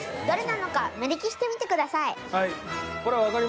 どれなのか目利きしてみてください。